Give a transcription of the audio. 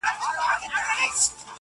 چي دا مي مجبوري که استغناء بولئ ملګرو